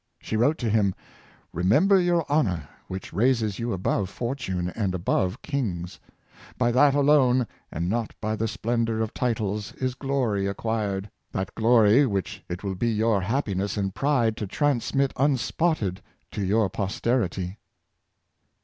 She wrote to him: "Remember your honor, which raises you above fortune and above kings ; by that alone, and not by the splendor of titles, is glory acquired — that glory which it will be your happiness and pride to transmit unspotted to your posterity."